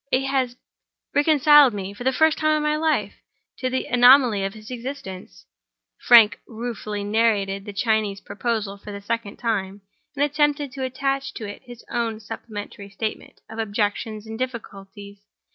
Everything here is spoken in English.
It has reconciled me, for the first time in my life, to the anomaly of his existence." Frank ruefully narrated the Chinese proposal for the second time, and attempted to attach to it his own supplementary statement of objections and difficulties.